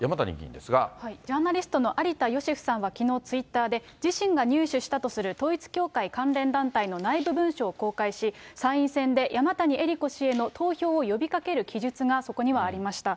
ジャーナリストの有田芳生さんはきのうツイッターで、自身が入手したとする統一教会関連団体の内部文書を公開し、参院選で山谷えり子氏への投票を呼びかける記述がそこにはありました。